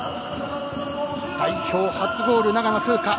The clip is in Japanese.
代表初ゴール、長野風花。